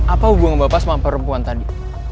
apa hubungan bapak sama perempuan tadi